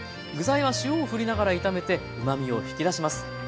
具材は塩をふりながら炒めてうまみを引き出します。